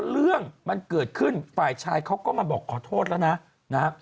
เรื่องมันเกิดขึ้นฝ่ายชายเขาก็มาบอกขอโทษแล้วนะนะฮะ